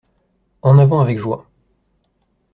En avant avec joie